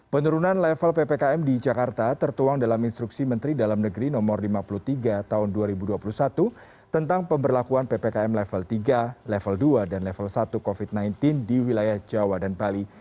penurunan level ppkm di jakarta tertuang dalam instruksi menteri dalam negeri no lima puluh tiga tahun dua ribu dua puluh satu tentang pemberlakuan ppkm level tiga level dua dan level satu covid sembilan belas di wilayah jawa dan bali